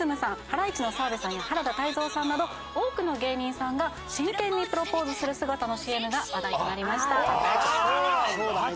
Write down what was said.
ハライチの澤部さんや原田泰造さんなど多くの芸人さんが真剣にプロポーズする姿のＣＭが話題となりました。